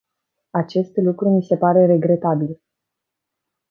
Acest lucru mi se pare regretabil.